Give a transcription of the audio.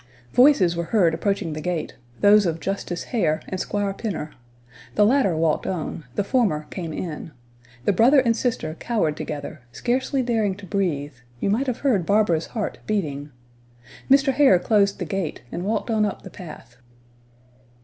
Voices were heard approaching the gate those of Justice Hare and Squire Pinner. The latter walked on; the former came in. The brother and sister cowered together, scarcely daring to breathe; you might have heard Barbara's heart beating. Mr. Hare closed the gate and walked on up the path.